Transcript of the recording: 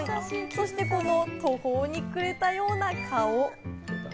そしてこの途方に暮れたような顔。